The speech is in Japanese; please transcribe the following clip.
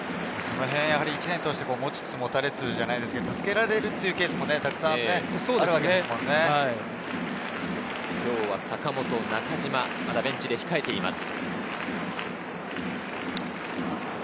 １年を通して持ちつ持たれつじゃないですけど助けられるケースもたくさんあるわけですも今日は坂本、中島がまだベンチで控えています。